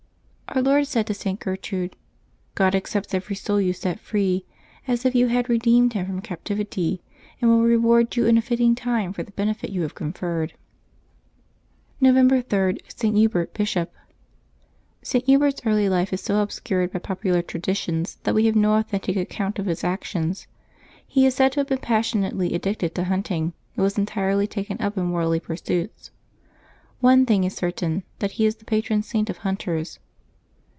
— Our Lord said to St. Gertrude, " God ac cepts every soul you set free, as if you had redeemed him from captivity, and will reward you in a fitting time for the benefit you have conferred/' November 3. ST. HUBERT, Bishop. [t. Hubert's early life is so obscured by popular tradi tions that we have no authentic account of his actions. He is said to have been passionately addicted to hunting, and was entirely taken up in worldly pursuits. One thing is certain : that he is the patron saint of hunters.